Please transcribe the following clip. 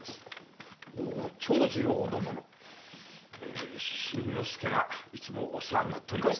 おお長次郎殿の新之助がいつもお世話になっております。